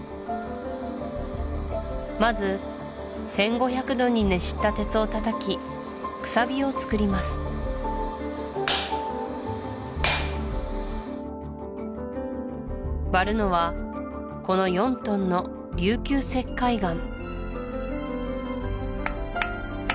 まず１５００度に熱した鉄を叩きくさびを作ります割るのはこの４トンの琉球石灰岩